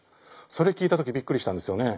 それ聞いた時びっくりしたんですよね。